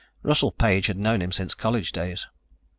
Russell Page had known him since college days.